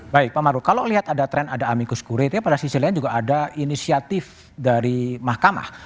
baik pak maruf kalau lihat ada tren ada amicu security pada sisi lain juga ada inisiatif dari mahkamah